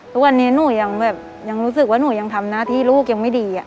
ทุกวันนี้หนูยังแบบยังรู้สึกว่าหนูยังทำหน้าที่ลูกยังไม่ดี